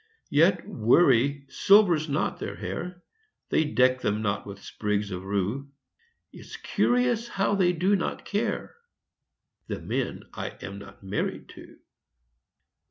Yet worry silvers not their hair; They deck them not with sprigs of rue. It's curious how they do not care The men I am not married to.